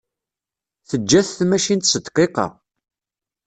Teǧǧa-t tmacint s dqiqa.